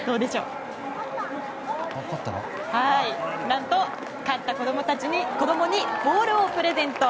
何と、勝った子供たちにボールをプレゼント。